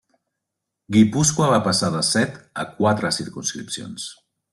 Guipúscoa va passar de set a quatre circumscripcions.